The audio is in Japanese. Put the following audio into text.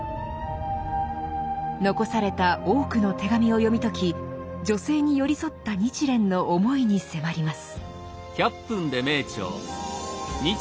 残された多くの手紙を読み解き女性に寄り添った日蓮の思いに迫ります。